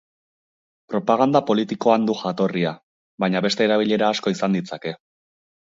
Propaganda politikoan du jatorria, baina beste erabilera asko izan ditzake.